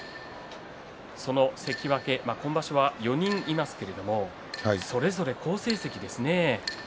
その関脇、今場所は４人いますけれどもそれぞれ好成績ですね。